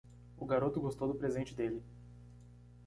O garoto gostou do presente dele.